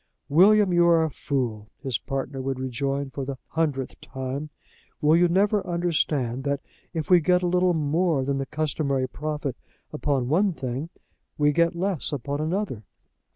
"William, you are a fool," his partner would rejoin for the hundredth time. "Will you never understand that, if we get a little more than the customary profit upon one thing, we get less upon another?